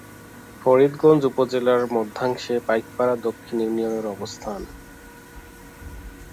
ফরিদগঞ্জ উপজেলার মধ্যাংশে পাইকপাড়া দক্ষিণ ইউনিয়নের অবস্থান।